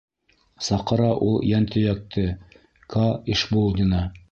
Саҡыра ул йәнтөйәкте К. ИШБУЛДИНА.